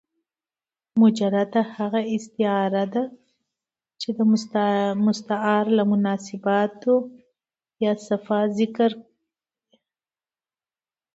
مجرده هغه استعاره ده، چي د مستعارله مناسبات یا صفات ذکر يي.